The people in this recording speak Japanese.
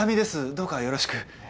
どうかよろしく。